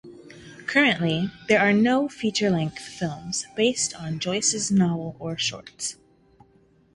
Currently, there are no feature-length films based on Joyce's novels or shorts.